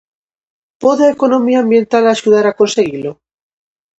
Pode a Economía Ambiental axudar a conseguilo?